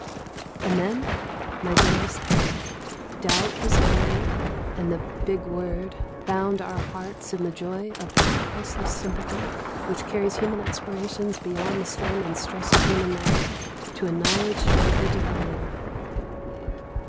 And then my day was done. Doubt was buried, and the "big word" bound our hearts in the joy of that priceless sympathy which carries human aspirations beyond the storm and stress of human life to a knowledge of the Divine.